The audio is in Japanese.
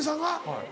はい。